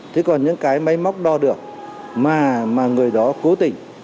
thế còn những cái máy móc đo được mà người đó cố tình